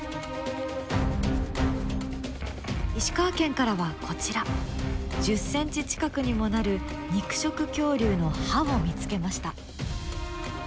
石川県からはこちら１０ｃｍ近くにもなる肉食恐竜の歯を見つけました。